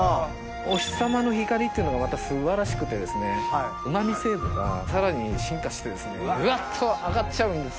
お日さまの光っていうのがまた素晴らしくてですねうま味成分がさらに進化してぐわっと上がっちゃうんですよ。